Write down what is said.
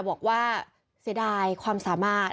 บอกว่าเสียดายความสามารถ